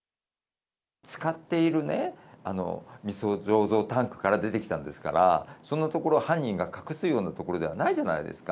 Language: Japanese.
使っているね、みそ醸造タンクから出てきたんですから、そんな所、犯人が隠すような所じゃないじゃないですか。